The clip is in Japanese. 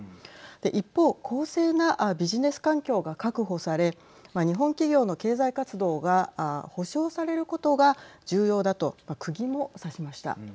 一方、公正なビジネス環境が確保され日本企業の経済活動が保障されることが重要だとくぎもさしました。